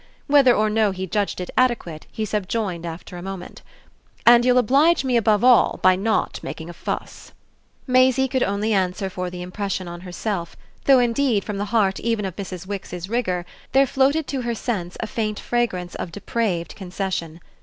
Whether or no he judged it adequate he subjoined after a moment: "And you'll oblige me above all by not making a fuss." Maisie could only answer for the impression on herself, though indeed from the heart even of Mrs. Wix's rigour there floated to her sense a faint fragrance of depraved concession.